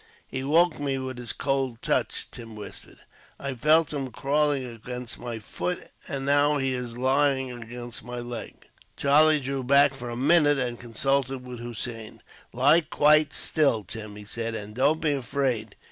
"He woke me with his cold touch," Tim whispered. "I felt him crawling against my foot, and now he is laying against my leg." Charlie drew back for a minute, and consulted with Hossein. "Lie quite still, Tim," he said, "and don't be afraid.